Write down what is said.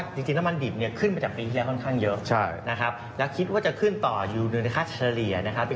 จริงน้ำมันดิบเนี่ยขึ้นมาจากปีที่แล้วค่อนข้างเยอะนะครับแล้วคิดว่าจะขึ้นต่ออยู่ในค่าเฉลี่ยนะครับ